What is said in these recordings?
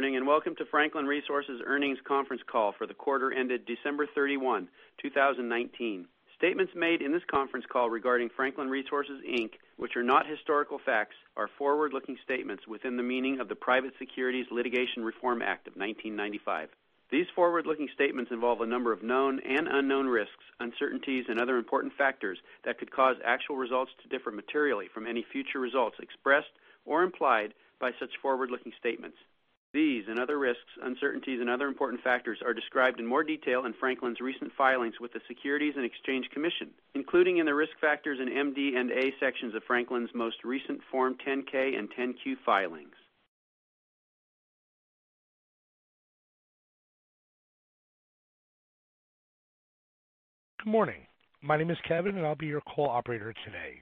Good morning and welcome to Franklin Resources' Earnings Conference Call for the quarter ended December 31, 2019. Statements made in this conference call regarding Franklin Resources Inc., which are not historical facts, are forward-looking statements within the meaning of the Private Securities Litigation Reform Act of 1995. These forward-looking statements involve a number of known and unknown risks, uncertainties, and other important factors that could cause actual results to differ materially from any future results expressed or implied by such forward-looking statements. These and other risks, uncertainties, and other important factors are described in more detail in Franklin's recent filings with the Securities and Exchange Commission, including in the risk factors and MD&A sections of Franklin's most recent Form 10-K and 10-Q filings. Good morning. My name is Kevin and I'll be your call operator today.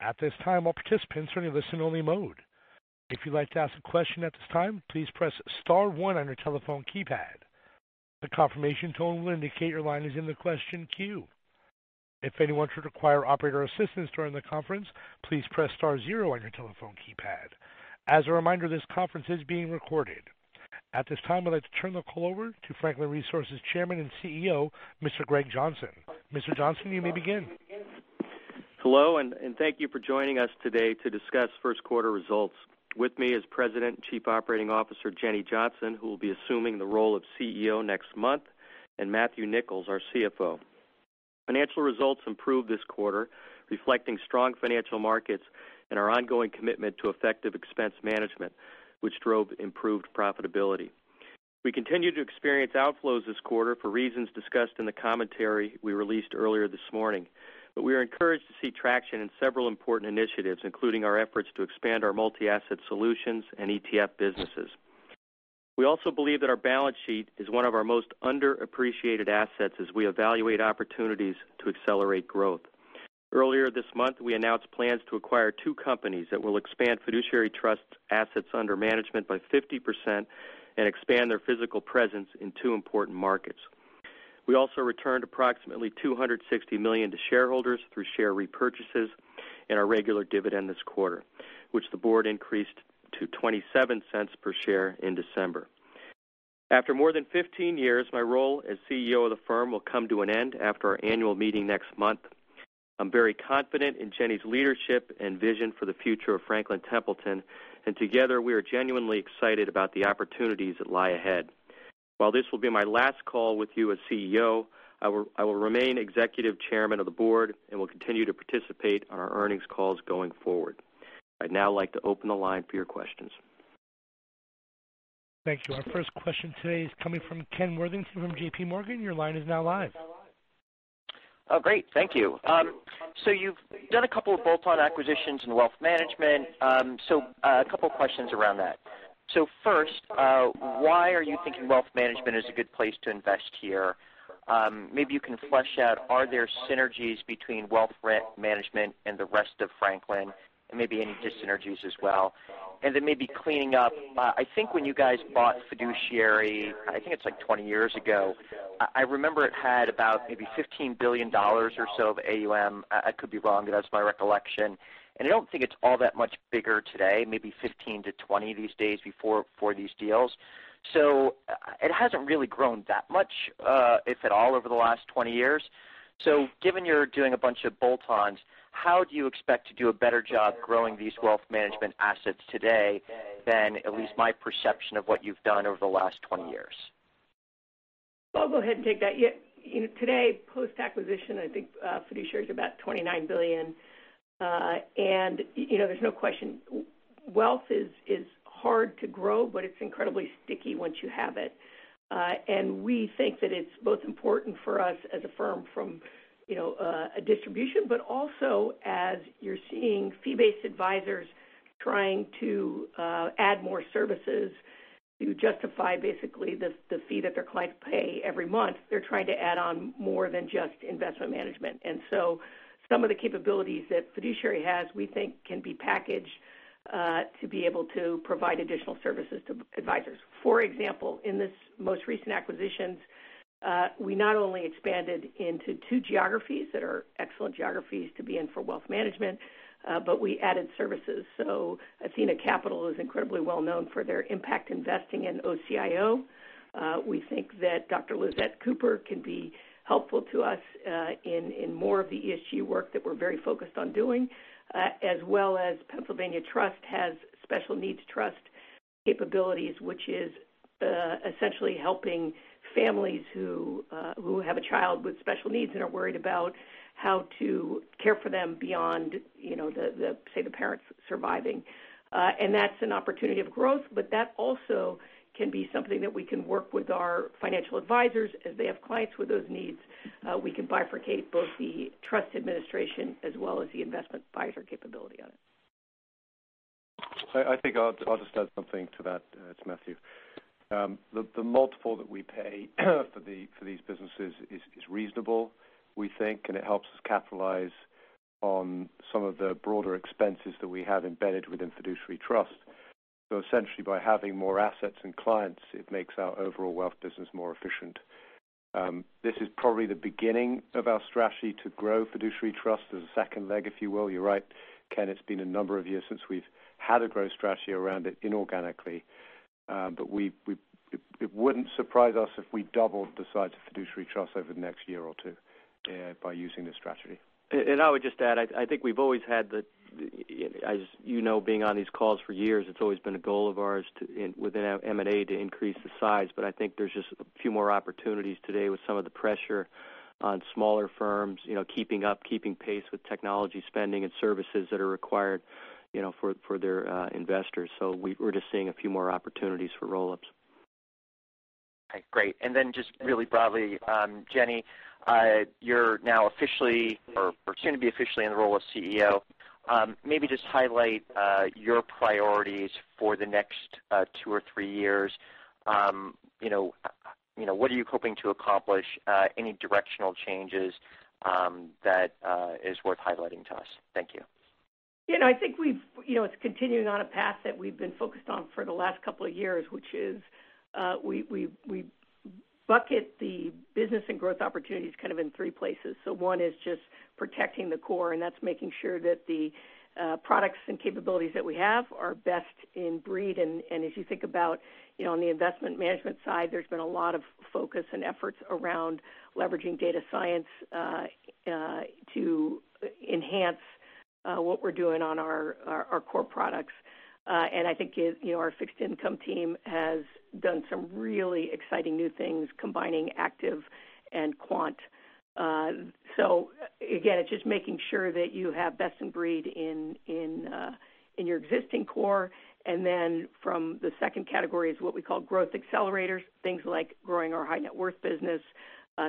At this time, all participants are in a listen-only mode. If you'd like to ask a question at this time, please press star one on your telephone keypad. The confirmation tone will indicate your line is in the question queue. If anyone should require operator assistance during the conference, please press star zero on your telephone keypad. As a reminder, this conference is being recorded. At this time, I'd like to turn the call over to Franklin Resources Chairman and CEO, Mr. Greg Johnson. Mr. Johnson, you may begin. Hello and thank you for joining us today to discuss first quarter results. With me is President and Chief Operating Officer, Jenny Johnson, who will be assuming the role of CEO next month, and Matthew Nicholls, our CFO. Financial results improved this quarter, reflecting strong financial markets and our ongoing commitment to effective expense management, which drove improved profitability. We continue to experience outflows this quarter for reasons discussed in the commentary we released earlier this morning, but we are encouraged to see traction in several important initiatives, including our efforts to expand our multi-asset solutions and ETF businesses. We also believe that our balance sheet is one of our most underappreciated assets as we evaluate opportunities to accelerate growth. Earlier this month, we announced plans to acquire two companies that will expand Fiduciary Trust assets under management by 50% and expand their physical presence in two important markets. We also returned approximately $260 million to shareholders through share repurchases and our regular dividend this quarter, which the board increased to $0.27 per share in December. After more than 15 years, my role as CEO of the firm will come to an end after our annual meeting next month. I'm very confident in Jenny's leadership and vision for the future of Franklin Templeton, and together we are genuinely excited about the opportunities that lie ahead. While this will be my last call with you as CEO, I will remain Executive Chairman of the board and will continue to participate on our earnings calls going forward. I'd now like to open the line for your questions. Thank you. Our first question today is coming from Ken Worthington from JPMorgan. Your line is now live. Oh, great. Thank you. So you've done a couple of bolt-on acquisitions in wealth management. So a couple of questions around that. So first, why are you thinking wealth management is a good place to invest here? Maybe you can flesh out, are there synergies between wealth management and the rest of Franklin, and maybe any dissynergies as well? And then maybe cleaning up, I think when you guys bought Fiduciary, I think it's like 20 years ago, I remember it had about maybe $15 billion or so of AUM. I could be wrong, but that's my recollection. And I don't think it's all that much bigger today, maybe $15 billion-$20 billion these days for these deals. So it hasn't really grown that much, if at all, over the last 20 years. So given you're doing a bunch of bolt-ons, how do you expect to do a better job growing these wealth management assets today than at least my perception of what you've done over the last 20 years? I'll go ahead and take that. Today, post-acquisition, I think Fiduciary is about $29 billion. And there's no question wealth is hard to grow, but it's incredibly sticky once you have it. And we think that it's both important for us as a firm from a distribution, but also as you're seeing fee-based advisors trying to add more services to justify basically the fee that their clients pay every month, they're trying to add on more than just investment management. And so some of the capabilities that Fiduciary has, we think, can be packaged to be able to provide additional services to advisors. For example, in this most recent acquisition, we not only expanded into two geographies that are excellent geographies to be in for wealth management, but we added services. So Athena Capital is incredibly well known for their impact investing in OCIO. We think that Dr. Lisette Cooper can be helpful to us in more of the ESG work that we're very focused on doing, as well as Pennsylvania Trust has Special Needs Trust capabilities, which is essentially helping families who have a child with special needs and are worried about how to care for them beyond, say, the parents surviving, and that's an opportunity of growth, but that also can be something that we can work with our financial advisors. If they have clients with those needs, we can bifurcate both the trust administration as well as the investment advisor capability on it. I think I'll just add something to that, it's Matthew. The multiple that we pay for these businesses is reasonable, we think, and it helps us capitalize on some of the broader expenses that we have embedded within Fiduciary Trust. So essentially, by having more assets and clients, it makes our overall wealth business more efficient. This is probably the beginning of our strategy to grow Fiduciary Trust as a second leg, if you will. You're right, Ken, it's been a number of years since we've had a growth strategy around it inorganically, but it wouldn't surprise us if we doubled the size of Fiduciary Trust over the next year or two by using this strategy. And I would just add, I think we've always had the, as you know, being on these calls for years, it's always been a goal of ours within M&A to increase the size, but I think there's just a few more opportunities today with some of the pressure on smaller firms keeping up, keeping pace with technology spending and services that are required for their investors. So we're just seeing a few more opportunities for roll-ups. Okay. Great. And then just really broadly, Jenny, you're now officially or soon to be officially in the role of CEO. Maybe just highlight your priorities for the next two or three years. What are you hoping to accomplish? Any directional changes that are worth highlighting to us? Thank you. I think it's continuing on a path that we've been focused on for the last couple of years, which is we bucket the business and growth opportunities kind of in three places, so one is just protecting the core, and that's making sure that the products and capabilities that we have are best in breed. And as you think about on the investment management side, there's been a lot of focus and efforts around leveraging data science to enhance what we're doing on our core products. And I think our fixed income team has done some really exciting new things combining active and quant, so again, it's just making sure that you have best in breed in your existing core. And then from the second category is what we call growth accelerators, things like growing our high net worth business,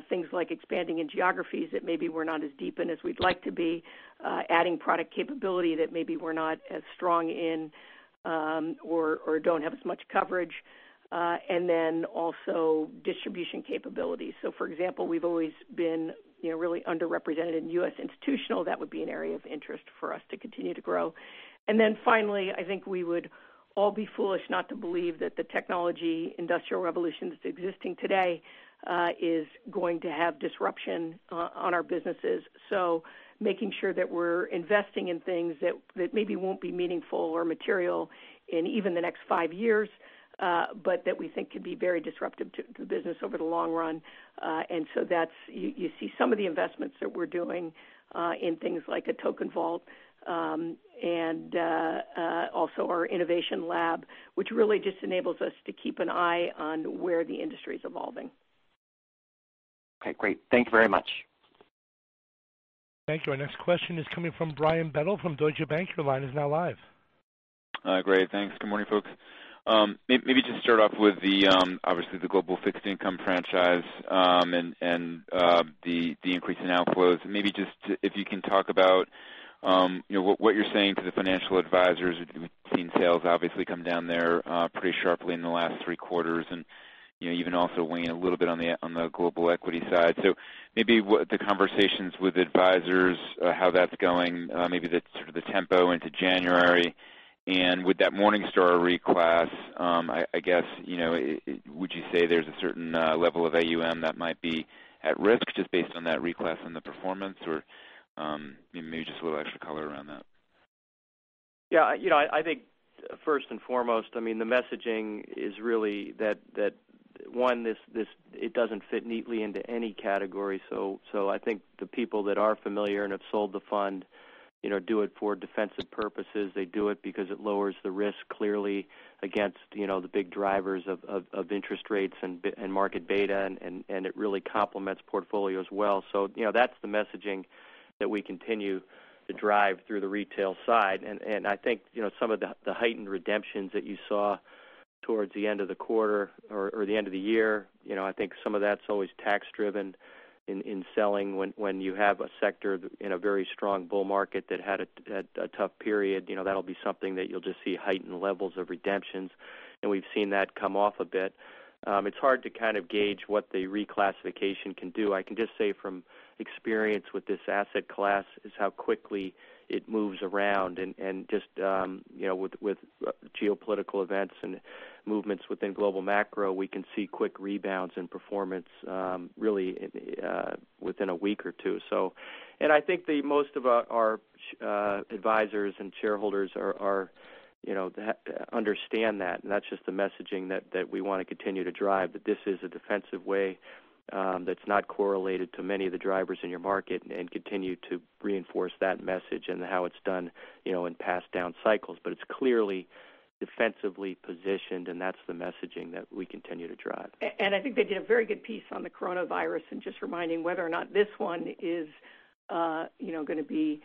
things like expanding in geographies that maybe we're not as deep in as we'd like to be, adding product capability that maybe we're not as strong in or don't have as much coverage, and then also distribution capabilities. So for example, we've always been really underrepresented in U.S. Institutional. That would be an area of interest for us to continue to grow. And then finally, I think we would all be foolish not to believe that the technology industrial revolution that's existing today is going to have disruption on our businesses. So making sure that we're investing in things that maybe won't be meaningful or material in even the next five years, but that we think could be very disruptive to the business over the long run. And so you see some of the investments that we're doing in things like a token vault and also our innovation lab, which really just enables us to keep an eye on where the industry is evolving. Okay. Great. Thank you very much. Thank you. Our next question is coming from Brian Bedell from Deutsche Bank. Your line is now live. Hi, Greg. Thanks. Good morning, folks. Maybe just start off with, obviously, the global fixed income franchise and the increase in outflows. Maybe just if you can talk about what you're saying to the financial advisors. We've seen sales obviously come down there pretty sharply in the last three quarters and even also weighing a little bit on the global equity side. So maybe the conversations with advisors, how that's going, maybe sort of the tempo into January. And with that Morningstar reclass, I guess, would you say there's a certain level of AUM that might be at risk just based on that reclass and the performance? Or maybe just a little extra color around that. Yeah. I think first and foremost, I mean, the messaging is really that, one, it doesn't fit neatly into any category. So I think the people that are familiar and have sold the fund do it for defensive purposes. They do it because it lowers the risk clearly against the big drivers of interest rates and market beta, and it really complements portfolios well. So that's the messaging that we continue to drive through the retail side. And I think some of the heightened redemptions that you saw towards the end of the quarter or the end of the year, I think some of that's always tax-driven in selling. When you have a sector in a very strong bull market that had a tough period, that'll be something that you'll just see heightened levels of redemptions. And we've seen that come off a bit. It's hard to kind of gauge what the reclassification can do. I can just say from experience with this asset class is how quickly it moves around, and just with geopolitical events and movements within global macro, we can see quick rebounds in performance really within a week or two, and I think most of our advisors and shareholders understand that, and that's just the messaging that we want to continue to drive, that this is a defensive way that's not correlated to many of the drivers in your market and continue to reinforce that message and how it's done in past down cycles, but it's clearly defensively positioned, and that's the messaging that we continue to drive. I think they did a very good piece on the coronavirus and just reminding whether or not this one is going to be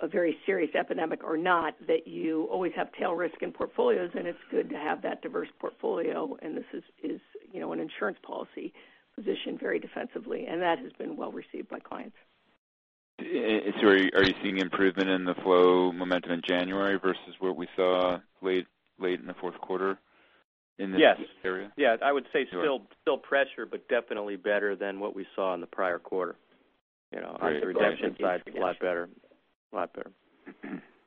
a very serious epidemic or not, that you always have tail risk in portfolios, and it's good to have that diverse portfolio. That has been well received by clients. So are you seeing improvement in the flow momentum in January versus what we saw late in the fourth quarter in this area? Yes. Yeah. I would say still pressure, but definitely better than what we saw in the prior quarter. The redemption side is a lot better.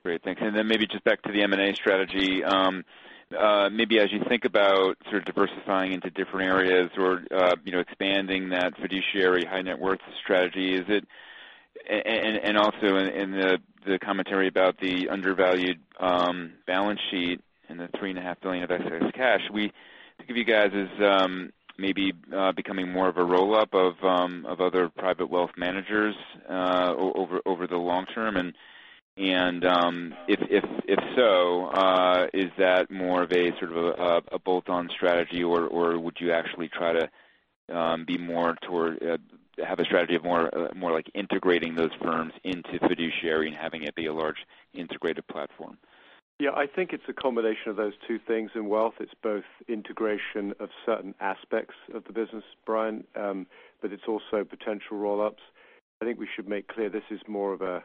Great. Thanks. And then maybe just back to the M&A strategy. Maybe as you think about sort of diversifying into different areas or expanding that Fiduciary high net worth strategy, and also in the commentary about the undervalued balance sheet and the $3.5 billion of excess cash, to give you guys is maybe becoming more of a roll-up of other private wealth managers over the long term? And if so, is that more of a sort of a bolt-on strategy, or would you actually try to be more toward have a strategy of more like integrating those firms into Fiduciary and having it be a large integrated platform? Yeah. I think it's a combination of those two things. In wealth, it's both integration of certain aspects of the business, Brian, but it's also potential roll-ups. I think we should make clear this is more of a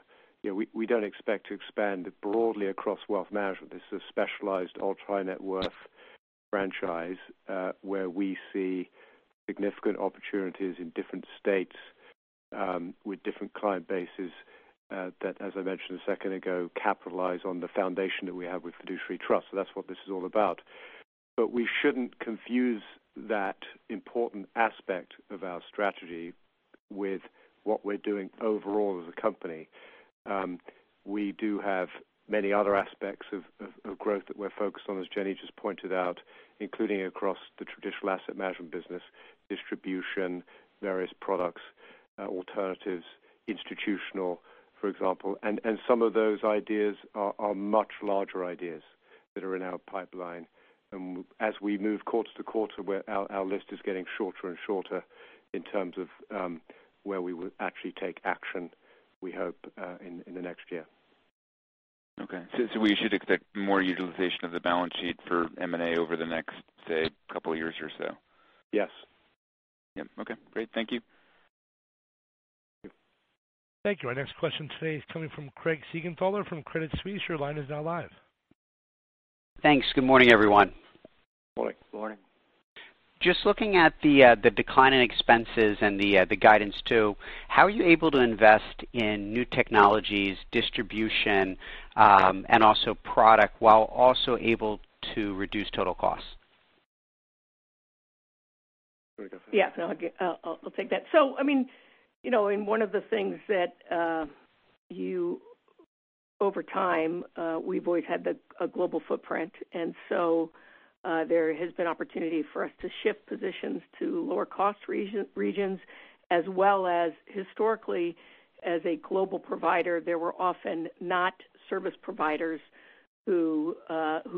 we don't expect to expand broadly across wealth management. This is a specialized ultra high net worth franchise where we see significant opportunities in different states with different client bases that, as I mentioned a second ago, capitalize on the foundation that we have with Fiduciary Trust. So that's what this is all about. But we shouldn't confuse that important aspect of our strategy with what we're doing overall as a company. We do have many other aspects of growth that we're focused on, as Jenny just pointed out, including across the traditional asset management business, distribution, various products, alternatives, institutional, for example. Some of those ideas are much larger ideas that are in our pipeline. As we move quarter to quarter, our list is getting shorter and shorter in terms of where we will actually take action, we hope, in the next year. Okay. So we should expect more utilization of the balance sheet for M&A over the next, say, couple of years or so? Yes. Yeah. Okay. Great. Thank you. Thank you. Our next question today is coming from Craig Siegenthaler from Credit Suisse. Your line is now live. Thanks. Good morning, everyone. Good morning. Good morning. Just looking at the decline in expenses and the guidance too, how are you able to invest in new technologies, distribution, and also product while also able to reduce total costs? Yeah. I'll take that. So I mean, one of the things that, over time, we've always had a global footprint. And so there has been opportunity for us to shift positions to lower cost regions, as well as historically, as a global provider, there were often not service providers who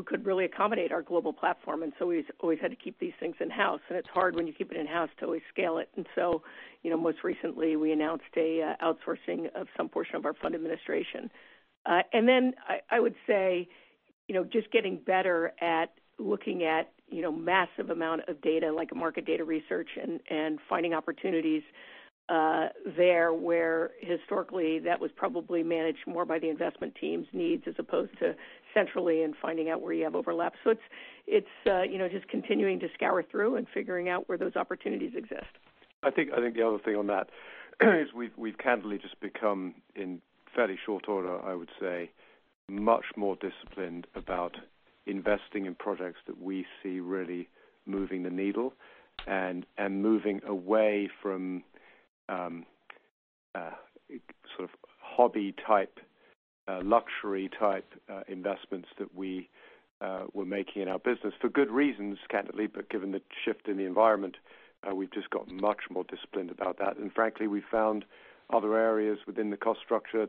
could really accommodate our global platform. And so we've always had to keep these things in-house. And it's hard when you keep it in-house to always scale it. And so most recently, we announced an outsourcing of some portion of our fund administration. And then I would say just getting better at looking at massive amounts of data like market data research and finding opportunities there where historically that was probably managed more by the investment team's needs as opposed to centrally and finding out where you have overlap. So it's just continuing to scour through and figuring out where those opportunities exist. I think the other thing on that is we've candidly just become, in fairly short order, I would say, much more disciplined about investing in projects that we see really moving the needle and moving away from sort of hobby-type, luxury-type investments that we were making in our business for good reasons, candidly, but given the shift in the environment, we've just gotten much more disciplined about that, and frankly, we've found other areas within the cost structure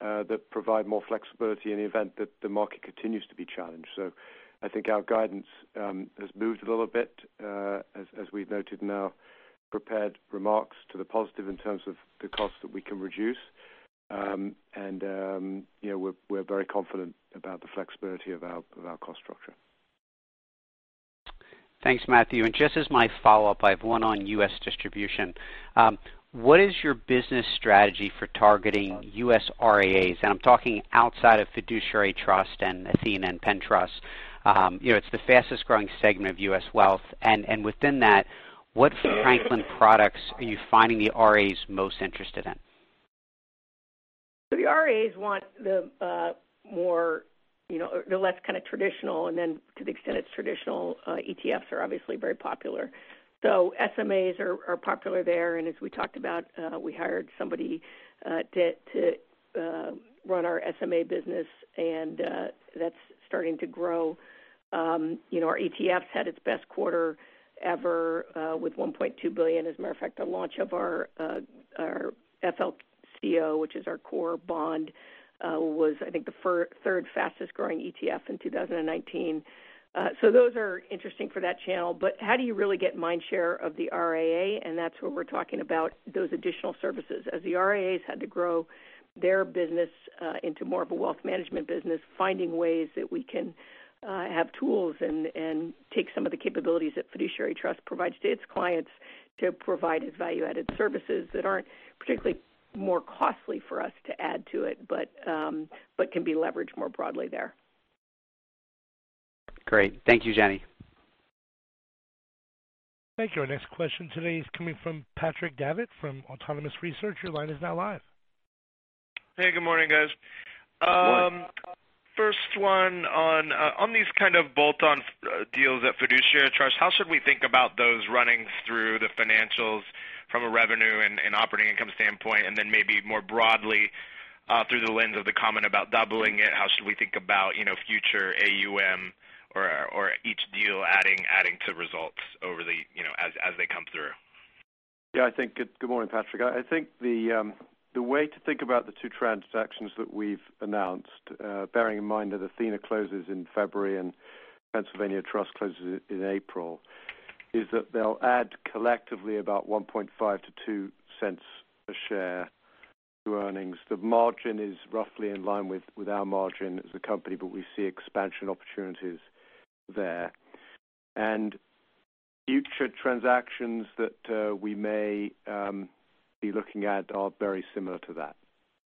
that provide more flexibility in the event that the market continues to be challenged, so I think our guidance has moved a little bit, as we've noted in our prepared remarks to the positive in terms of the costs that we can reduce, and we're very confident about the flexibility of our cost structure. Thanks, Matthew. Just as my follow-up, I have one on U.S. distribution. What is your business strategy for targeting U.S. RIAs? And I'm talking outside of Fiduciary Trust and Athena and Penn Trust. It's the fastest-growing segment of U.S. wealth. And within that, what Franklin products are you finding the RIAs most interested in? RIAs want the more the less kind of traditional. To the extent it's traditional, ETFs are obviously very popular. SMAs are popular there. As we talked about, we hired somebody to run our SMA business, and that's starting to grow. Our ETFs had its best quarter ever with $1.2 billion. As a matter of fact, the launch of our FLCO, which is our core bond, was, I think, the third fastest-growing ETF in 2019. Those are interesting for that channel. But how do you really get mind share of the RIA? That's where we're talking about those additional services. As the RIAs had to grow their business into more of a wealth management business, finding ways that we can have tools and take some of the capabilities that Fiduciary Trust provides to its clients to provide as value-added services that aren't particularly more costly for us to add to it, but can be leveraged more broadly there. Great. Thank you, Jenny. Thank you. Our next question today is coming from Patrick Davitt from Autonomous Research. Your line is now live. Hey. Good morning, guys. Morning. First one on these kind of bolt-on deals at Fiduciary Trust, how should we think about those running through the financials from a revenue and operating income standpoint? And then maybe more broadly through the lens of the comment about doubling it, how should we think about future AUM or each deal adding to results as they come through? Yeah. Good morning, Patrick. I think the way to think about the two transactions that we've announced, bearing in mind that Athena closes in February and Pennsylvania Trust closes in April, is that they'll add collectively about $0.015-$0.02 a share to earnings. The margin is roughly in line with our margin as a company, but we see expansion opportunities there. And future transactions that we may be looking at are very similar to that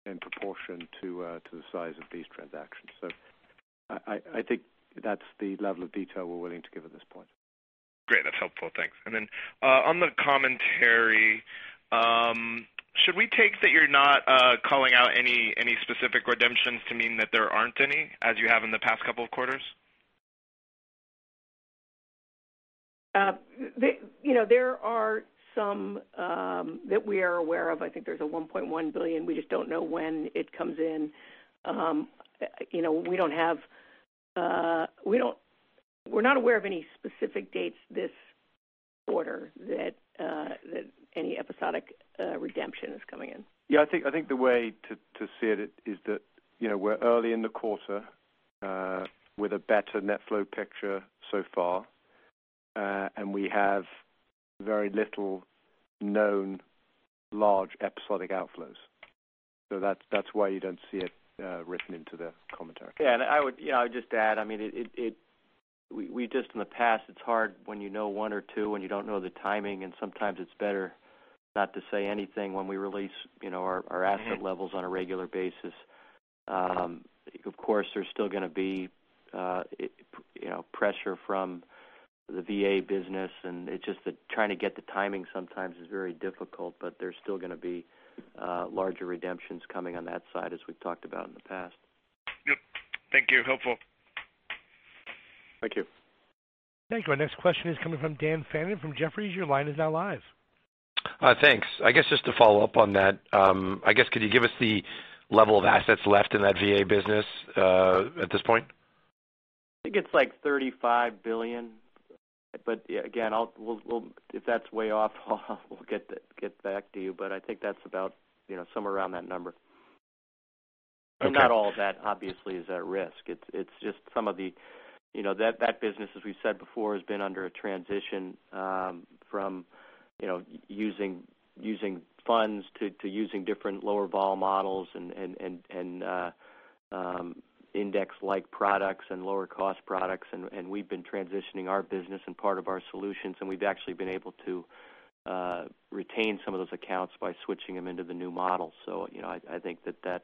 in proportion to the size of these transactions. So I think that's the level of detail we're willing to give at this point. Great. That's helpful. Thanks. And then on the commentary, should we take that you're not calling out any specific redemptions to mean that there aren't any as you have in the past couple of quarters? There are some that we are aware of. I think there's $1.1 billion. We just don't know when it comes in. We're not aware of any specific dates this quarter that any episodic redemption is coming in. Yeah. I think the way to see it is that we're early in the quarter with a better net flow picture so far, and we have very little known large episodic outflows. So that's why you don't see it written into the commentary. Yeah. And I would just add, I mean, we just in the past, it's hard when you know one or two and you don't know the timing. And sometimes it's better not to say anything when we release our asset levels on a regular basis. Of course, there's still going to be pressure from the VA business. And it's just that trying to get the timing sometimes is very difficult, but there's still going to be larger redemptions coming on that side as we've talked about in the past. Yep. Thank you. Helpful. Thank you. Thank you. Our next question is coming from Dan Fannon from Jefferies. Your line is now live. Thanks. I guess just to follow up on that, I guess, could you give us the level of assets left in that VA business at this point? I think it's like $35 billion, but again, if that's way off, we'll get back to you. I think that's about somewhere around that number, and not all of that, obviously, is at risk. It's just some of that business, as we've said before, has been under a transition from using funds to using different lower-vol models, and index-like products, and lower-cost products, and we've been transitioning our business and part of our solutions, and we've actually been able to retain some of those accounts by switching them into the new model, so I think that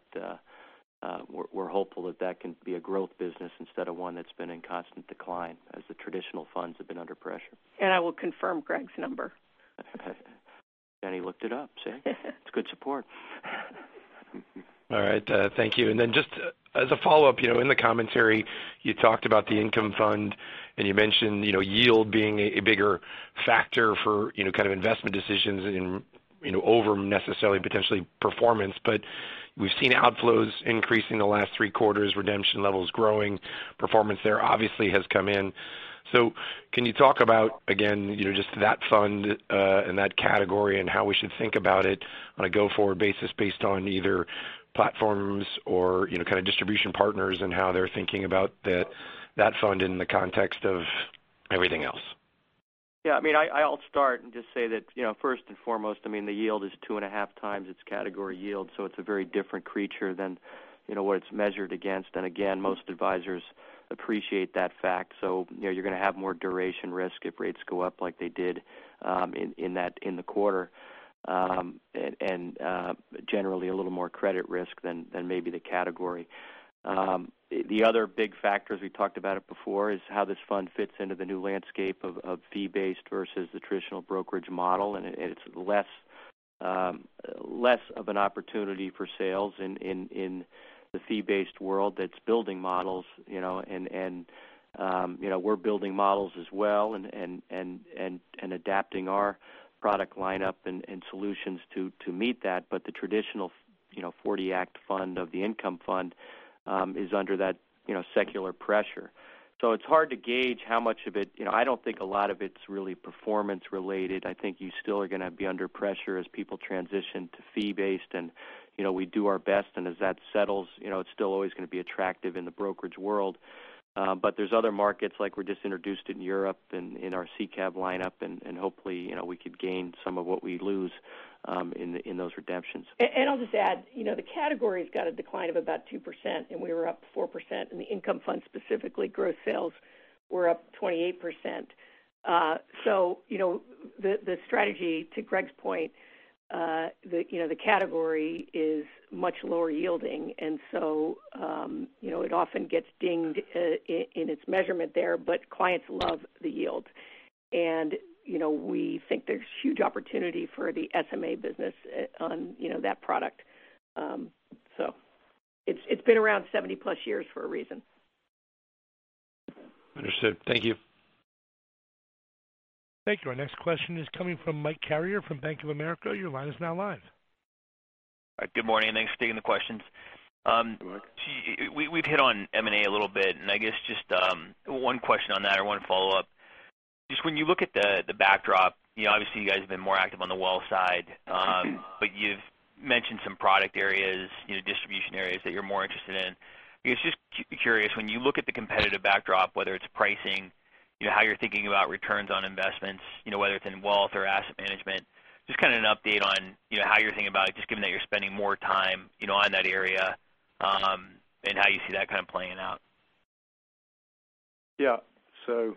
we're hopeful that that can be a growth business instead of one that's been in constant decline as the traditional funds have been under pressure. I will confirm Greg's number. Jenny looked it up. See, it's good support. All right. Thank you. And then just as a follow-up, in the commentary, you talked about the Income Fund, and you mentioned yield being a bigger factor for kind of investment decisions over necessarily potentially performance. But we've seen outflows increase in the last three quarters, redemption levels growing, performance there obviously has come in. So can you talk about, again, just that fund and that category and how we should think about it on a go-forward basis based on either platforms or kind of distribution partners and how they're thinking about that fund in the context of everything else? Yeah. I mean, I'll start and just say that first and foremost, I mean, the yield is 2.5x its category yield, so it's a very different creature than what it's measured against, and again, most advisors appreciate that fact, so you're going to have more duration risk if rates go up like they did in the quarter and generally a little more credit risk than maybe the category. The other big factors we talked about it before is how this fund fits into the new landscape of fee-based versus the traditional brokerage model, and it's less of an opportunity for sales in the fee-based world that's building models, and we're building models as well and adapting our product lineup and solutions to meet that, but the traditional 40-Act fund of the Income Fund is under that secular pressure. So it's hard to gauge how much of it. I don't think a lot of it's really performance-related. I think you still are going to be under pressure as people transition to fee-based. And we do our best. And as that settles, it's still always going to be attractive in the brokerage world. But there's other markets like we're just introduced in Europe in our SICAV lineup. And hopefully, we could gain some of what we lose in those redemptions. And I'll just add, the category's got a decline of about 2%. And we were up 4%. And the Income Fund specifically, gross sales, were up 28%. So the strategy, to Greg's point, the category is much lower yielding. And so it often gets dinged in its measurement there. But clients love the yield. And we think there's huge opportunity for the SMA business on that product. So it's been around 70+ years for a reason. Understood. Thank you. Thank you. Our next question is coming from Mike Carrier from Bank of America. Your line is now live. Good morning. Thanks for taking the questions. We've hit on M&A a little bit, and I guess just one question on that or one follow-up. Just when you look at the backdrop, obviously, you guys have been more active on the wealth side, but you've mentioned some product areas, distribution areas that you're more interested in. I guess just curious, when you look at the competitive backdrop, whether it's pricing, how you're thinking about returns on investments, whether it's in wealth or asset management, just kind of an update on how you're thinking about it, just given that you're spending more time on that area and how you see that kind of playing out. Yeah. So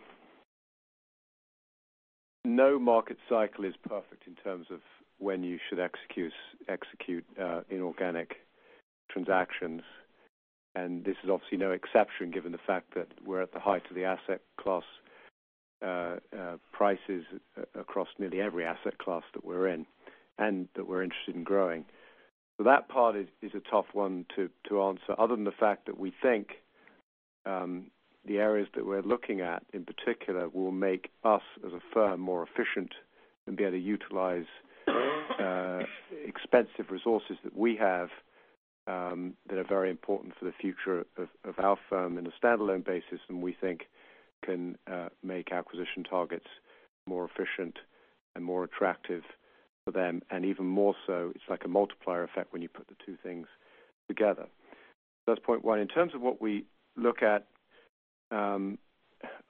no market cycle is perfect in terms of when you should execute inorganic transactions. And this is obviously no exception given the fact that we're at the height of the asset class prices across nearly every asset class that we're in and that we're interested in growing. So that part is a tough one to answer other than the fact that we think the areas that we're looking at in particular will make us as a firm more efficient and be able to utilize expensive resources that we have that are very important for the future of our firm in a standalone basis and we think can make acquisition targets more efficient and more attractive for them. And even more so, it's like a multiplier effect when you put the two things together. So that's point one. In terms of what we look at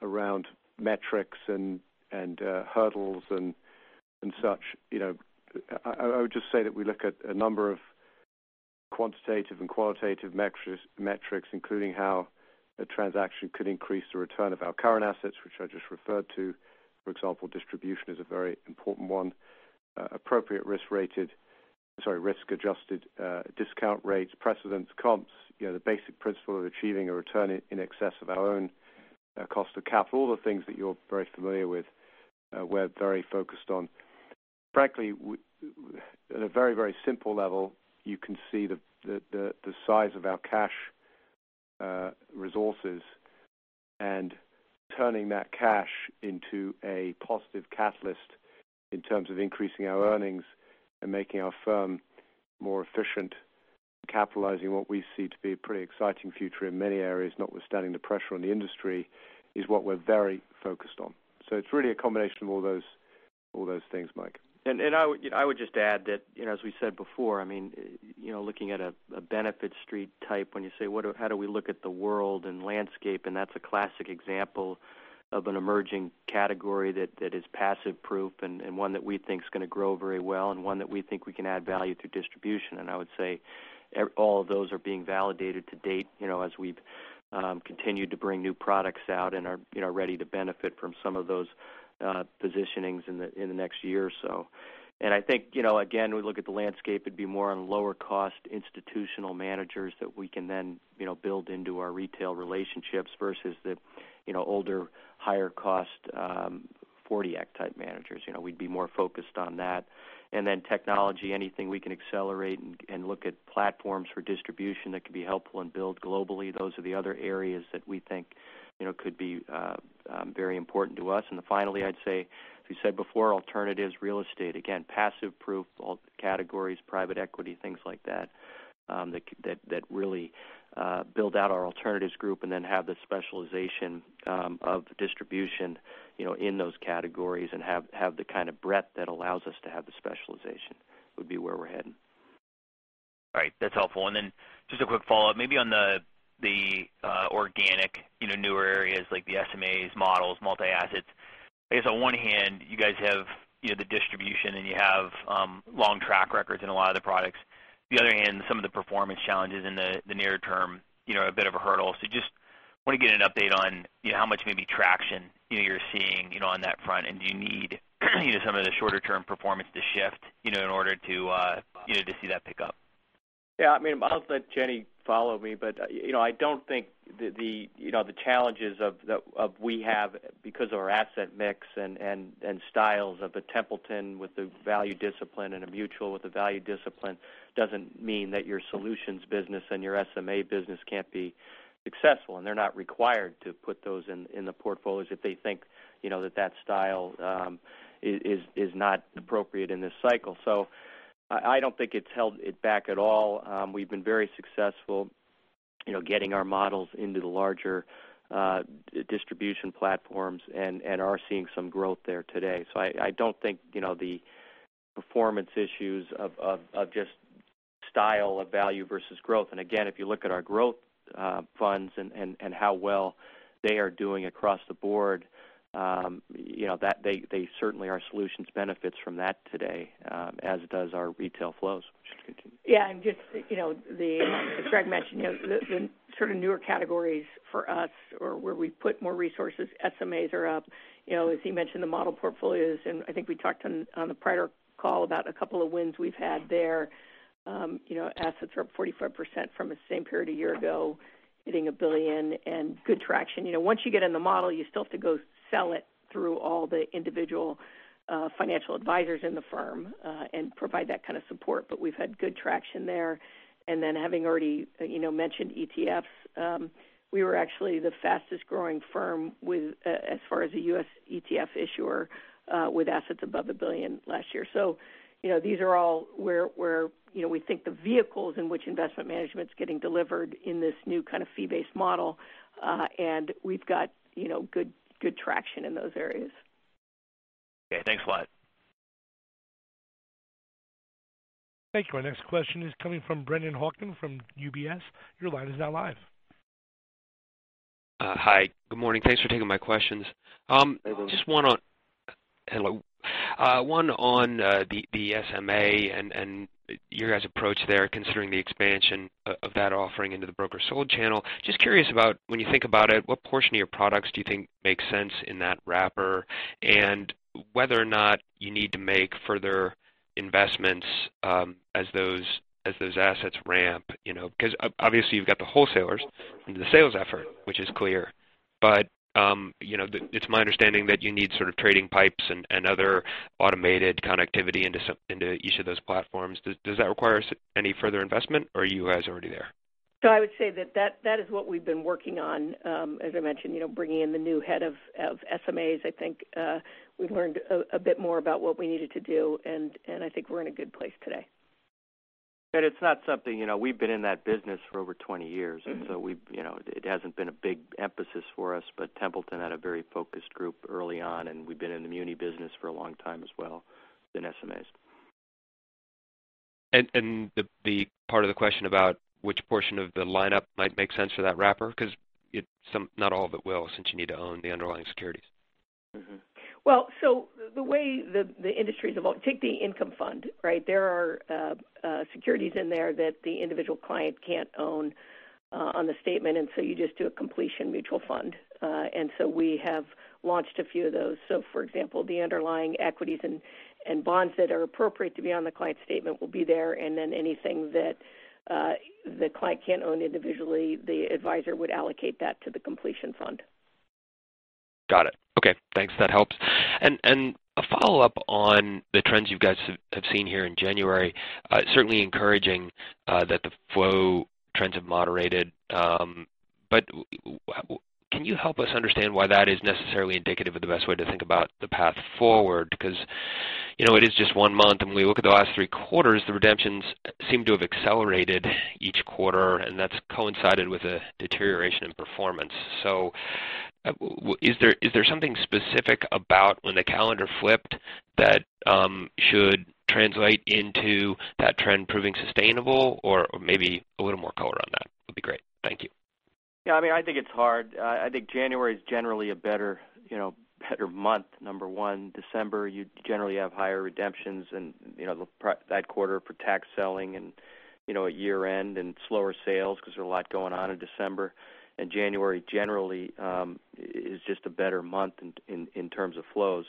around metrics and hurdles and such, I would just say that we look at a number of quantitative and qualitative metrics, including how a transaction could increase the return of our current assets, which I just referred to. For example, distribution is a very important one. Appropriate risk-rated sorry, risk-adjusted discount rates, precedents, comps, the basic principle of achieving a return in excess of our own cost of capital, all the things that you're very familiar with, we're very focused on. Frankly, at a very, very simple level, you can see the size of our cash resources and turning that cash into a positive catalyst in terms of increasing our earnings and making our firm more efficient and capitalizing what we see to be a pretty exciting future in many areas notwithstanding the pressure on the industry is what we're very focused on. So it's really a combination of all those things, Mike. I would just add that, as we said before, I mean, looking at a Benefit Street type, when you say, "How do we look at the world and landscape?" That's a classic example of an emerging category that is passive-proof and one that we think's going to grow very well and one that we think we can add value through distribution. I would say all of those are being validated to date as we've continued to bring new products out and are ready to benefit from some of those positionings in the next year or so. I think, again, we look at the landscape. It'd be more on lower-cost institutional managers that we can then build into our retail relationships versus th4e older, higher-cost 40-Act type managers. We'd be more focused on that. And then technology, anything we can accelerate and look at platforms for distribution that could be helpful and build globally. Those are the other areas that we think could be very important to us. And finally, I'd say, as we said before, alternatives, real estate. Again, passive-proof categories, private equity, things like that that really build out our alternatives group and then have the specialization of distribution in those categories and have the kind of breadth that allows us to have the specialization would be where we're heading. All right. That's helpful. And then just a quick follow-up, maybe on the organic newer areas like the SMAs, models, multi-assets. I guess on one hand, you guys have the distribution and you have long track records in a lot of the products. On the other hand, some of the performance challenges in the near term, a bit of a hurdle. So just want to get an update on how much maybe traction you're seeing on that front. And do you need some of the shorter-term performance to shift in order to see that pick up? Yeah. I mean, I'll let Jenny follow me. But I don't think the challenges we have because of our asset mix and styles of Franklin Templeton with the value discipline and of Mutual with the value discipline means that our solutions business and our SMA business can't be successful. And they're not required to put those in the portfolios if they think that that style is not appropriate in this cycle. So I don't think it's held it back at all. We've been very successful getting our models into the larger distribution platforms and are seeing some growth there today. So I don't think the performance issues of just style of value versus growth. And again, if you look at our growth funds and how well they are doing across the board, they certainly are. Solutions benefits from that today as does our retail flows. Yeah. And just as Greg mentioned, the sort of newer categories for us or where we put more resources, SMAs are up. As he mentioned, the model portfolios. And I think we talked on the prior call about a couple of wins we've had there. Assets are up 45% from the same period a year ago, hitting $1 billion and good traction. Once you get in the model, you still have to go sell it through all the individual financial advisors in the firm and provide that kind of support. But we've had good traction there. And then having already mentioned ETFs, we were actually the fastest-growing firm as far as a U.S. ETF issuer with assets above $1 billion last year. So these are all where we think the vehicles in which investment management's getting delivered in this new kind of fee-based model. We've got good traction in those areas. Okay. Thanks a lot. Thank you. Our next question is coming from Brennan Hawken from UBS. Your line is now live. Hi. Good morning. Thanks for taking my questions. Just one on the SMA and your guys' approach there considering the expansion of that offering into the broker sold channel. Just curious about when you think about it, what portion of your products do you think makes sense in that wrapper and whether or not you need to make further investments as those assets ramp? Because obviously, you've got the wholesalers and the sales effort, which is clear. But it's my understanding that you need sort of trading pipes and other automated connectivity into each of those platforms. Does that require any further investment or are you guys already there? I would say that that is what we've been working on. As I mentioned, bringing in the new head of SMAs, I think we learned a bit more about what we needed to do, and I think we're in a good place today. But it's not something we've been in that business for over 20 years. And so it hasn't been a big emphasis for us. But Templeton had a very focused group early on. And we've been in the muni business for a long time as well than SMAs. And the part of the question about which portion of the lineup might make sense for that wrapper? Because not all of it will since you need to own the underlying securities. The way the industry's evolved, take the Income Fund, right? There are securities in there that the individual client can't own on the statement. And so you just do a completion mutual fund. And so we have launched a few of those. So for example, the underlying equities and bonds that are appropriate to be on the client statement will be there. And then anything that the client can't own individually, the advisor would allocate that to the completion fund. Got it. Okay. Thanks. That helps. And a follow-up on the trends you guys have seen here in January, certainly encouraging that the flow trends have moderated. But can you help us understand why that is necessarily indicative of the best way to think about the path forward? Because it is just one month. And when we look at the last three quarters, the redemptions seem to have accelerated each quarter. And that's coincided with a deterioration in performance. So is there something specific about when the calendar flipped that should translate into that trend proving sustainable or maybe a little more color on that? That'd be great. Thank you. Yeah. I mean, I think it's hard. I think January is generally a better month, number one. December, you generally have higher redemptions and that quarter for tax selling and year-end and slower sales because there's a lot going on in December. And January generally is just a better month in terms of flows.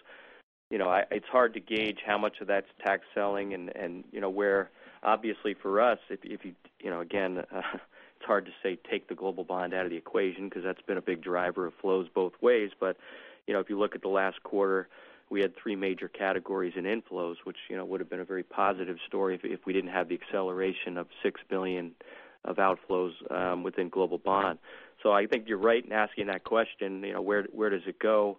It's hard to gauge how much of that's tax selling and where. Obviously, for us, if you again, it's hard to say, "Take the Global Bond out of the equation," because that's been a big driver of flows both ways. But if you look at the last quarter, we had three major categories in inflows, which would have been a very positive story if we didn't have the acceleration of $6 billion of outflows within Global Bond. So I think you're right in asking that question, "Where does it go?"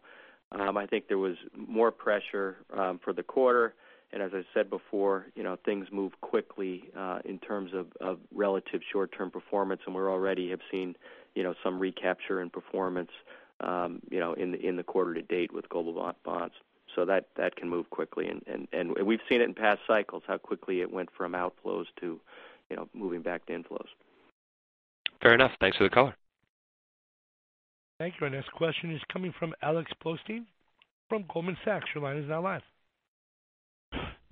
I think there was more pressure for the quarter. And as I said before, things move quickly in terms of relative short-term performance. And we already have seen some recapture in performance in the quarter to date with Global Bonds. So that can move quickly. And we've seen it in past cycles, how quickly it went from outflows to moving back to inflows. Fair enough. Thanks for the color. Thank you. Our next question is coming from Alex Blostein from Goldman Sachs. Your line is now live.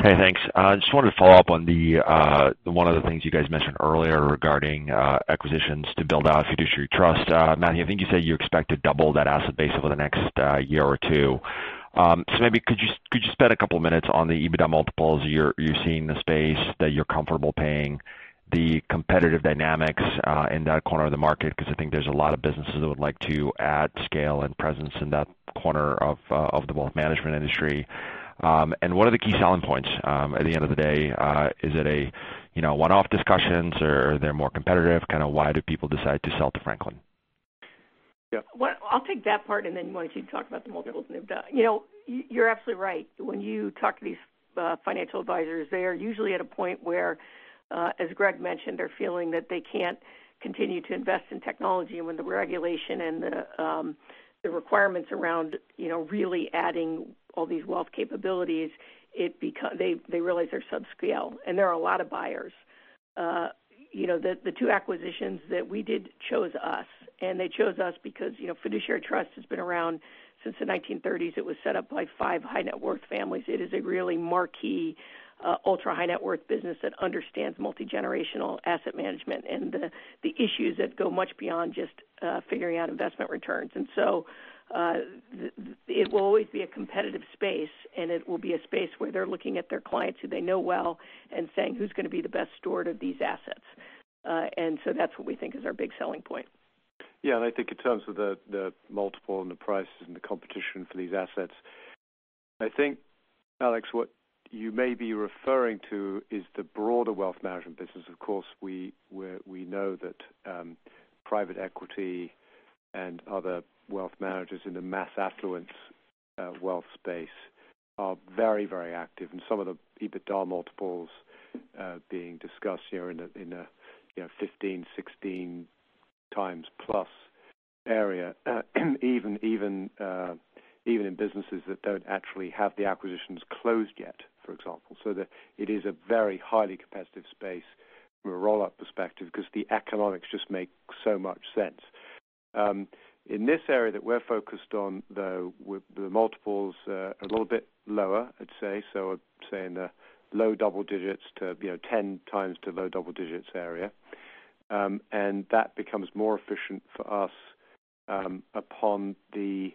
Hey, thanks. I just wanted to follow up on one of the things you guys mentioned earlier regarding acquisitions to build out a Fiduciary Trust. Matthew, I think you said you expect to double that asset base over the next year or two. So maybe could you spend a couple of minutes on the EBITDA multiples you're seeing in the space that you're comfortable paying, the competitive dynamics in that corner of the market because I think there's a lot of businesses that would like to add scale and presence in that corner of the wealth management industry. And what are the key selling points at the end of the day? Is it one-off discussions or they're more competitive? Kind of why do people decide to sell to Franklin? Yeah. I'll take that part. And then once you talk about the multiples and EBITDA, you're absolutely right. When you talk to these financial advisors, they are usually at a point where, as Greg mentioned, they're feeling that they can't continue to invest in technology. And when the regulation and the requirements around really adding all these wealth capabilities, they realize they're subscale. And there are a lot of buyers. The two acquisitions that we did chose us. And they chose us because Fiduciary Trust has been around since the 1930s. It was set up by five high-net-worth families. It is a really marquee ultra-high-net-worth business that understands multi-generational asset management and the issues that go much beyond just figuring out investment returns. And so it will always be a competitive space. It will be a space where they're looking at their clients who they know well and saying, "Who's going to be the best steward of these assets?" That's what we think is our big selling point. Yeah. And I think in terms of the multiple and the prices and the competition for these assets, I think, Alex, what you may be referring to is the broader wealth management business. Of course, we know that private equity and other wealth managers in the mass affluence wealth space are very, very active. And some of the EBITDA multiples being discussed here in a 15x-16x+ area, even in businesses that don't actually have the acquisitions closed yet, for example. So it is a very highly competitive space from a roll-up perspective because the economics just make so much sense. In this area that we're focused on, though, the multiples are a little bit lower, I'd say. So I'm saying the low double digits to 10x to low double digits area. And that becomes more efficient for us upon the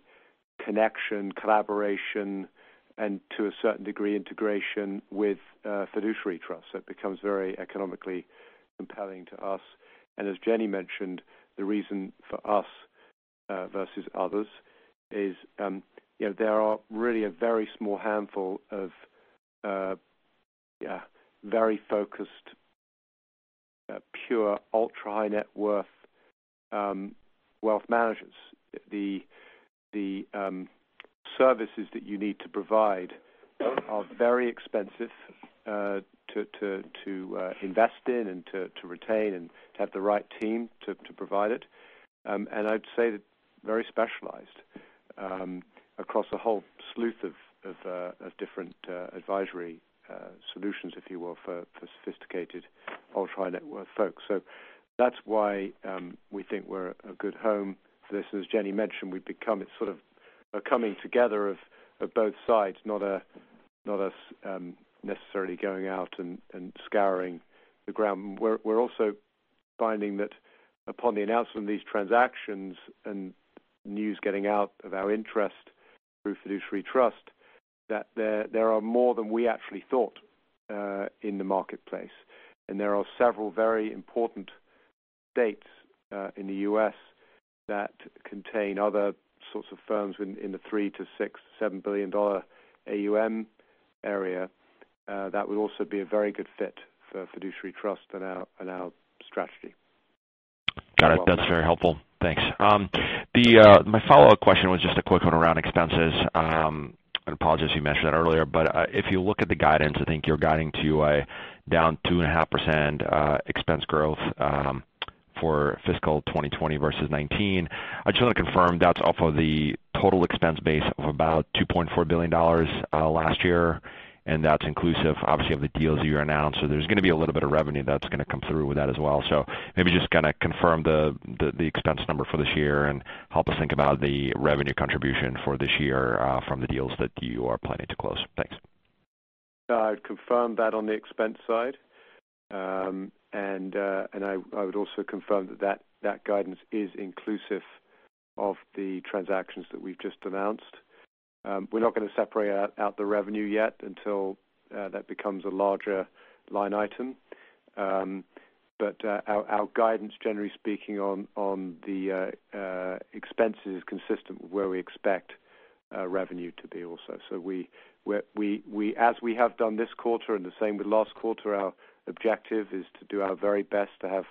connection, collaboration, and to a certain degree integration with Fiduciary Trust. That becomes very economically compelling to us. And as Jenny mentioned, the reason for us versus others is there are really a very small handful of very focused, pure ultra-high-net-worth wealth managers. The services that you need to provide are very expensive to invest in and to retain and to have the right team to provide it. And I'd say that very specialized across a whole slew of different advisory solutions, if you will, for sophisticated ultra-high-net-worth folks. So that's why we think we're a good home for this. And as Jenny mentioned, we've become sort of a coming together of both sides, not us necessarily going out and scouring the ground. We're also finding that upon the announcement of these transactions and news getting out of our interest through Fiduciary Trust, that there are more than we actually thought in the marketplace. And there are several very important states in the U.S. that contain other sorts of firms in the $3 billion-$7 billion AUM area that would also be a very good fit for Fiduciary Trust and our strategy. Got it. That's very helpful. Thanks. My follow-up question was just a quick one around expenses. I apologize if you mentioned that earlier. But if you look at the guidance, I think you're guiding to down 2.5% expense growth for fiscal 2020 versus 2019. I just want to confirm that's off of the total expense base of about $2.4 billion last year. And that's inclusive, obviously, of the deals that you announced. So there's going to be a little bit of revenue that's going to come through with that as well. So maybe just kind of confirm the expense number for this year and help us think about the revenue contribution for this year from the deals that you are planning to close. Thanks. I'd confirm that on the expense side, and I would also confirm that that guidance is inclusive of the transactions that we've just announced. We're not going to separate out the revenue yet until that becomes a larger line item, but our guidance, generally speaking, on the expenses is consistent with where we expect revenue to be also, so as we have done this quarter and the same with last quarter, our objective is to do our very best to have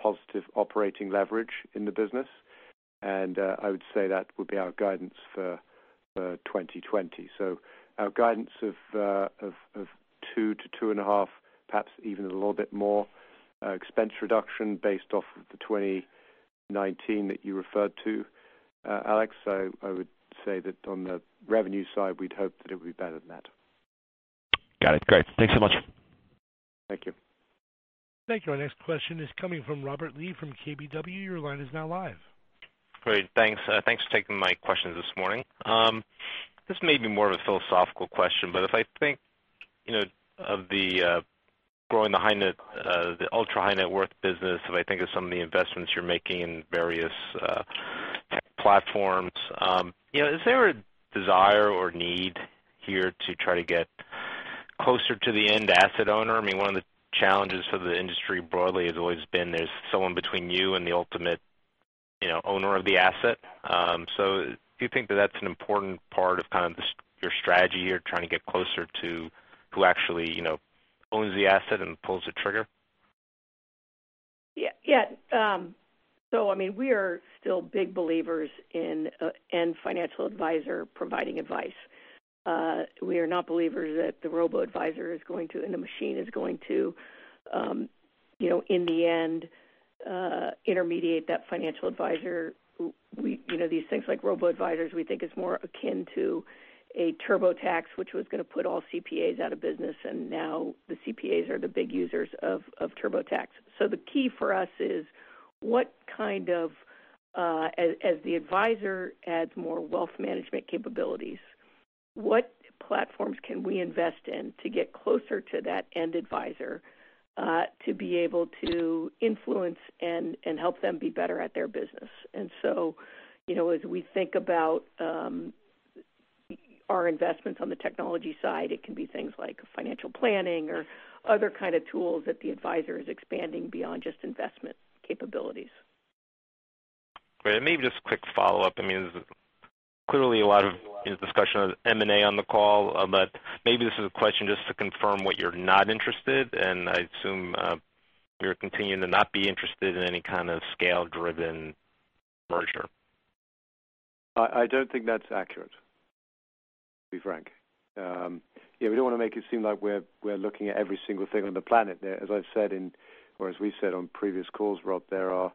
positive operating leverage in the business, and I would say that would be our guidance for 2020, so our guidance of 2-2.5, perhaps even a little bit more expense reduction based off of the 2019 that you referred to, Alex, so I would say that on the revenue side, we'd hope that it would be better than that. Got it. Great. Thanks so much. Thank you. Thank you. Our next question is coming from Robert Lee from KBW. Your line is now live. Great. Thanks. Thanks for taking my questions this morning. This may be more of a philosophical question. But if I think of growing the ultra-high-net-worth business, if I think of some of the investments you're making in various tech platforms, is there a desire or need here to try to get closer to the end asset owner? I mean, one of the challenges for the industry broadly has always been there's someone between you and the ultimate owner of the asset. So do you think that that's an important part of kind of your strategy here, trying to get closer to who actually owns the asset and pulls the trigger? Yeah. So I mean, we are still big believers in a financial advisor providing advice. We are not believers that the robo-advisor is going to, and the machine is going to, in the end, intermediate that financial advisor. These things like robo-advisors, we think, is more akin to a TurboTax, which was going to put all CPAs out of business. And now the CPAs are the big users of TurboTax. So the key for us is what kind of, as the advisor adds more wealth management capabilities, what platforms can we invest in to get closer to that end advisor to be able to influence and help them be better at their business? And so as we think about our investments on the technology side, it can be things like financial planning or other kinds of tools that the advisor is expanding beyond just investment capabilities. Great. And maybe just a quick follow-up. I mean, clearly, a lot of discussion of M&A on the call. But maybe this is a question just to confirm what you're not interested in. And I assume you're continuing to not be interested in any kind of scale-driven merger. I don't think that's accurate, to be frank. Yeah. We don't want to make it seem like we're looking at every single thing on the planet. As I've said, or as we've said on previous calls, Rob, there are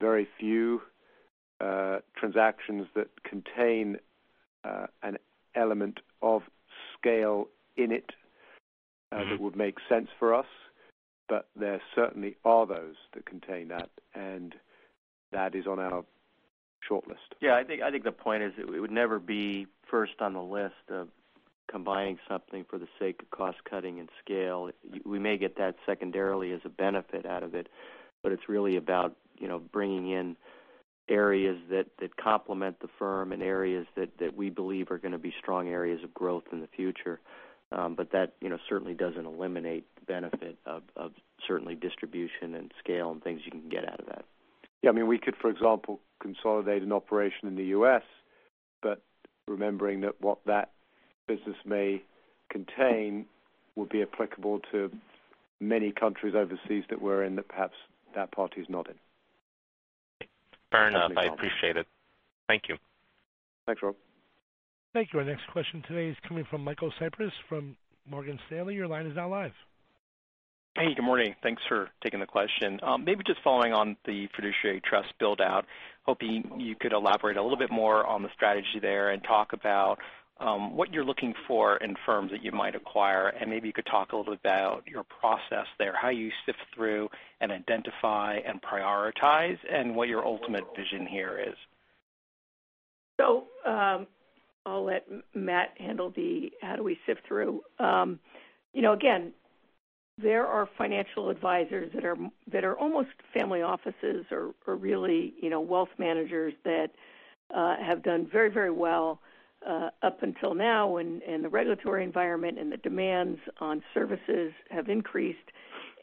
very few transactions that contain an element of scale in it that would make sense for us. But there certainly are those that contain that. And that is on our shortlist. Yeah. I think the point is it would never be first on the list of combining something for the sake of cost-cutting and scale. We may get that secondarily as a benefit out of it. But it's really about bringing in areas that complement the firm and areas that we believe are going to be strong areas of growth in the future. But that certainly doesn't eliminate the benefit of distribution and scale and things you can get out of that. Yeah. I mean, we could, for example, consolidate an operation in the U.S., but remembering that what that business may contain would be applicable to many countries overseas that we're in that perhaps that party's not in. Fair enough. I appreciate it. Thank you. Thanks, Rob. Thank you. Our next question today is coming from Michael Cyprys from Morgan Stanley. Your line is now live. Hey, good morning. Thanks for taking the question. Maybe just following on the Fiduciary Trust build-out, hoping you could elaborate a little bit more on the strategy there and talk about what you're looking for in firms that you might acquire. And maybe you could talk a little bit about your process there, how you sift through and identify and prioritize, and what your ultimate vision here is. So I'll let Matt handle the how do we sift through. Again, there are financial advisors that are almost family offices or really wealth managers that have done very, very well up until now. And the regulatory environment and the demands on services have increased.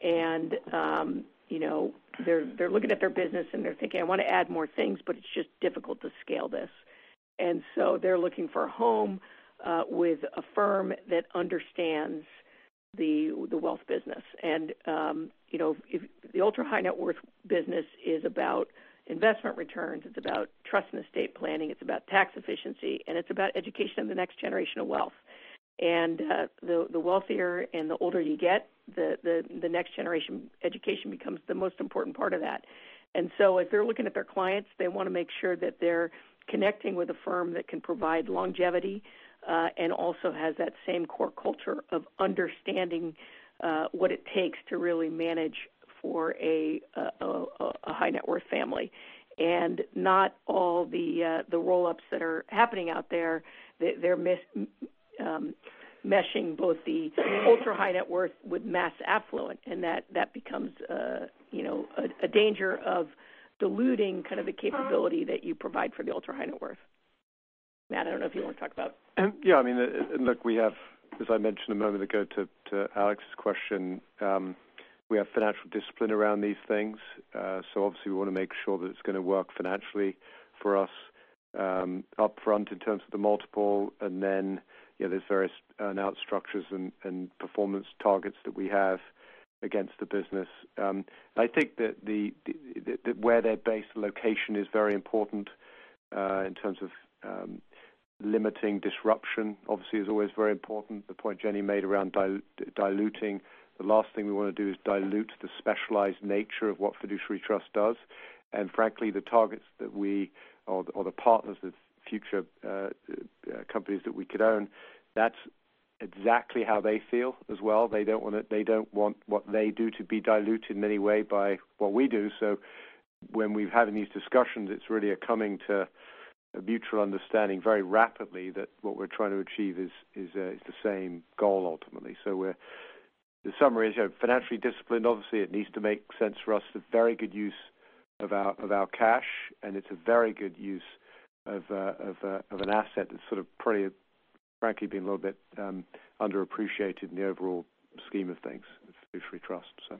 And they're looking at their business, and they're thinking, "I want to add more things, but it's just difficult to scale this." And so they're looking for a home with a firm that understands the wealth business. And the ultra-high-net-worth business is about investment returns. It's about trust and estate planning. It's about tax efficiency. And it's about education of the next generation of wealth. And the wealthier and the older you get, the next generation education becomes the most important part of that. And so if they're looking at their clients, they want to make sure that they're connecting with a firm that can provide longevity and also has that same core culture of understanding what it takes to really manage for a high-net-worth family. And not all the roll-ups that are happening out there, they're meshing both the ultra-high-net-worth with mass affluent. And that becomes a danger of diluting kind of the capability that you provide for the ultra-high-net-worth. Matt, I don't know if you want to talk about. Yeah. I mean, look, we have, as I mentioned a moment ago to Alex's question, we have financial discipline around these things. So obviously, we want to make sure that it's going to work financially for us upfront in terms of the multiple. And then there's various announced structures and performance targets that we have against the business. I think that where they're based, the location is very important in terms of limiting disruption. Obviously, it's always very important. The point Jenny made around diluting, the last thing we want to do is dilute the specialized nature of what Fiduciary Trust does. And frankly, the targets that we or the partners, the future companies that we could own, that's exactly how they feel as well. They don't want what they do to be diluted in any way by what we do. So when we've had these discussions, it's really a coming to a mutual understanding very rapidly that what we're trying to achieve is the same goal ultimately. So the summary is financially disciplined, obviously. It needs to make sense for us to very good use of our cash. And it's a very good use of an asset that's sort of probably, frankly, been a little bit underappreciated in the overall scheme of things, Fiduciary Trust, so.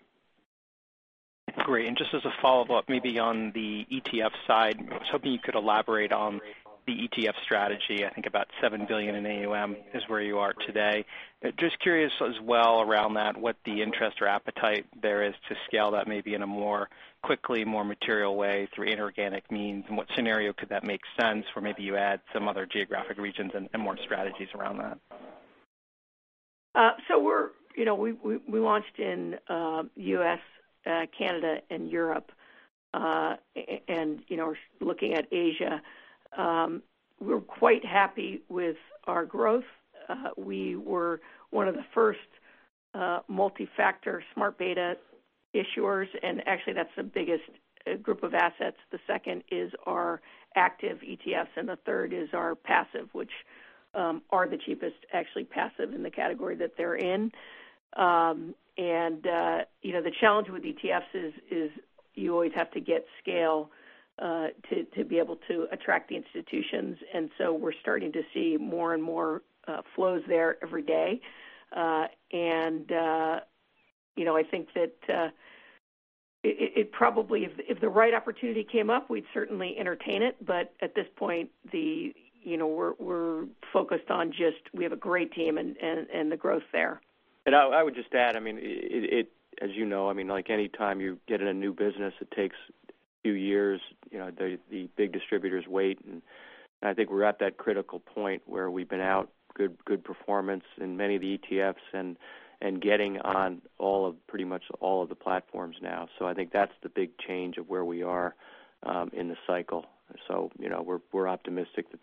Great. And just as a follow-up, maybe on the ETF side, I was hoping you could elaborate on the ETF strategy. I think about $7 billion in AUM is where you are today. Just curious as well around that, what the interest or appetite there is to scale that maybe in a more quickly, more material way through inorganic means. And what scenario could that make sense where maybe you add some other geographic regions and more strategies around that? So we launched in the U.S., Canada, and Europe, and we're looking at Asia. We're quite happy with our growth. We were one of the first multi-factor smart beta issuers, and actually, that's the biggest group of assets, the second is our active ETFs, and the third is our passive, which are the cheapest, actually, passive in the category that they're in, and the challenge with ETFs is you always have to get scale to be able to attract the institutions, and so we're starting to see more and more flows there every day, and I think that it probably, if the right opportunity came up, we'd certainly entertain it, but at this point, we're focused on just we have a great team and the growth there. I would just add, I mean, as you know, I mean, anytime you get in a new business, it takes a few years. The big distributors wait. I think we're at that critical point where we've put out good performance in many of the ETFs and getting on pretty much all of the platforms now. I think that's the big change of where we are in the cycle. We're optimistic that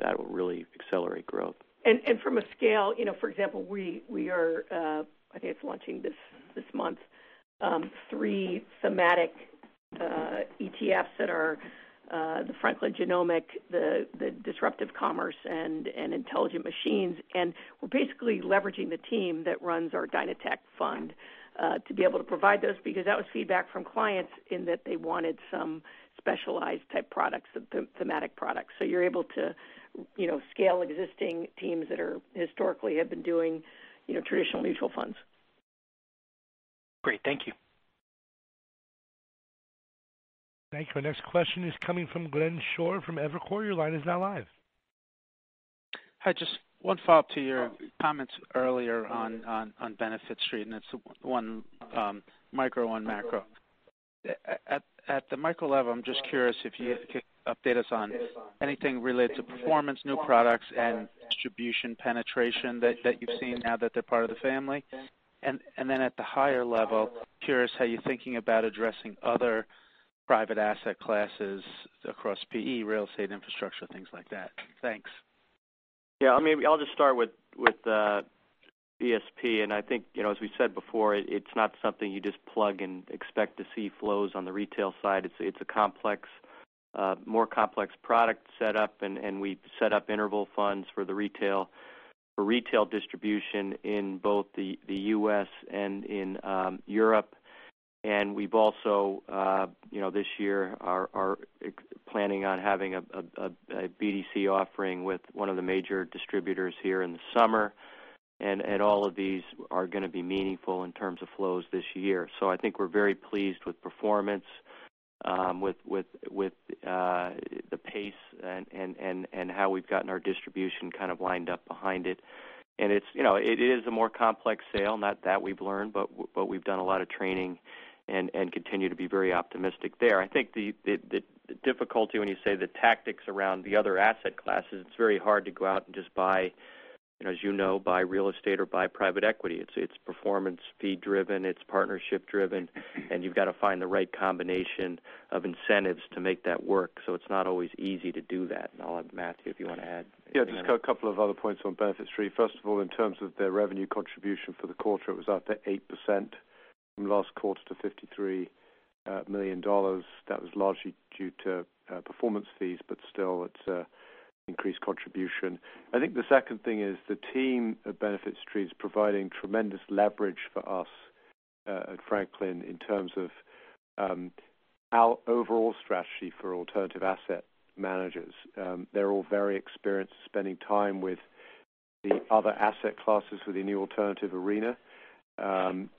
that will really accelerate growth. From a scale, for example, we are. I think it's launching this month, three thematic ETFs that are the Franklin Genomic, the Disruptive Commerce, and Intelligent Machines. We're basically leveraging the team that runs our DynaTech fund to be able to provide those because that was feedback from clients in that they wanted some specialized-type products, thematic products. You're able to scale existing teams that historically have been doing traditional mutual funds. Great. Thank you. Thank you. Our next question is coming from Glenn Schorr from Evercore. Your line is now live. Hi. Just one follow-up to your comments earlier on Benefit Street. And it's one micro and macro. At the micro level, I'm just curious if you could update us on anything related to performance, new products, and distribution penetration that you've seen now that they're part of the family. And then at the higher level, curious how you're thinking about addressing other private asset classes across PE, real estate, infrastructure, things like that. Thanks. Yeah. I mean, I'll just start with BSP. And I think, as we said before, it's not something you just plug and expect to see flows on the retail side. It's a more complex product setup. And we've set up interval funds for the retail distribution in both the U.S. and in Europe. And we've also, this year, are planning on having a BDC offering with one of the major distributors here in the summer. And all of these are going to be meaningful in terms of flows this year. So I think we're very pleased with performance, with the pace, and how we've gotten our distribution kind of lined up behind it. And it is a more complex sale, not that we've learned, but we've done a lot of training and continue to be very optimistic there. I think the difficulty when you say the tactics around the other asset classes, it's very hard to go out and just buy, as you know, buy real estate or buy private equity. It's performance-fee driven. It's partnership driven. And you've got to find the right combination of incentives to make that work. So it's not always easy to do that. And I'll let Matthew, if you want to add. Yeah. Just a couple of other points on Benefit Street. First of all, in terms of their revenue contribution for the quarter, it was up to 8% from last quarter to $53 million. That was largely due to performance fees, but still, it's increased contribution. I think the second thing is the team at Benefit Street is providing tremendous leverage for us at Franklin in terms of our overall strategy for alternative asset managers. They're all very experienced spending time with the other asset classes within the alternative arena,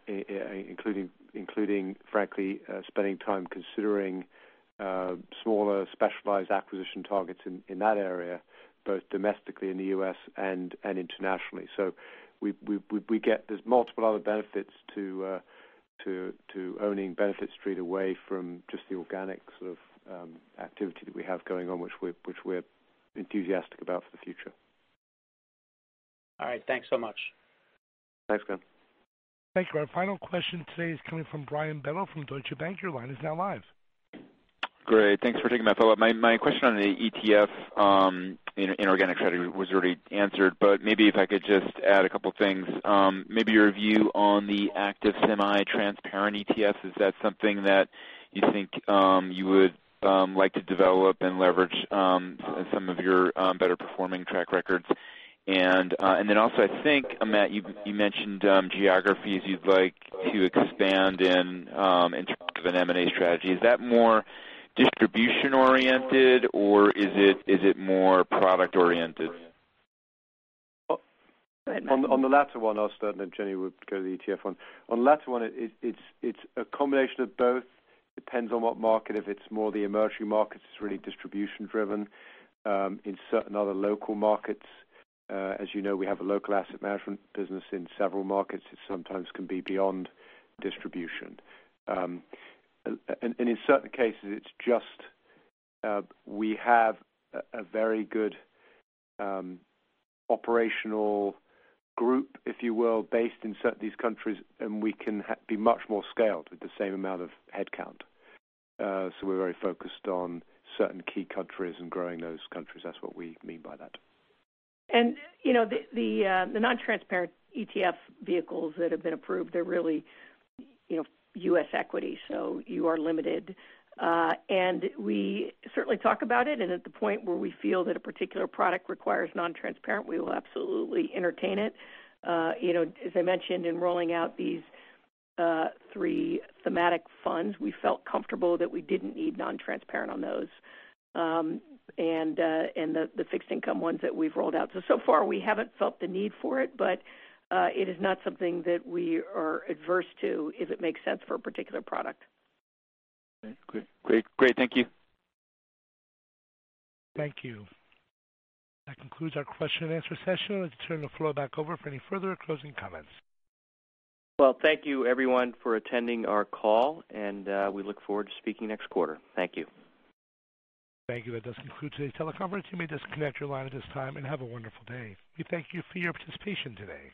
including, frankly, spending time considering smaller specialized acquisition targets in that area, both domestically in the U.S. and internationally. So we get there's multiple other benefits to owning Benefit Street away from just the organic sort of activity that we have going on, which we're enthusiastic about for the future. All right. Thanks so much. Thanks, Glenn. Thank you, Rob. Final question today is coming from Brian Bedell from Deutsche Bank. Your line is now live. Great. Thanks for taking my follow-up. My question on the ETF inorganic strategy was already answered. But maybe if I could just add a couple of things. Maybe your view on the active semi-transparent ETFs, is that something that you think you would like to develop and leverage some of your better performing track records? And then also, I think, Matt, you mentioned geographies you'd like to expand in terms of an M&A strategy. Is that more distribution-oriented, or is it more product-oriented? On the latter one, I was starting to think Jenny would go to the ETF one. On the latter one, it's a combination of both. It depends on what market. If it's more the emerging markets, it's really distribution-driven. In certain other local markets, as you know, we have a local asset management business in several markets. It sometimes can be beyond distribution. And in certain cases, it's just we have a very good operational group, if you will, based in certain these countries, and we can be much more scaled with the same amount of headcount. So we're very focused on certain key countries and growing those countries. That's what we mean by that. And the non-transparent ETF vehicles that have been approved, they're really U.S. equity. So you are limited. And we certainly talk about it. And at the point where we feel that a particular product requires non-transparent, we will absolutely entertain it. As I mentioned, in rolling out these three thematic funds, we felt comfortable that we didn't need non-transparent on those and the fixed income ones that we've rolled out. So far, we haven't felt the need for it, but it is not something that we are adverse to if it makes sense for a particular product. Great. Great. Thank you. Thank you. That concludes our question and answer session. I'll turn the floor back over for any further closing comments. Thank you, everyone, for attending our call. We look forward to speaking next quarter. Thank you. Thank you. That does conclude today's teleconference. You may disconnect your line at this time and have a wonderful day. We thank you for your participation today.